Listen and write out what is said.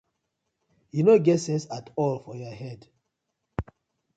Yu no sence atol for yah head.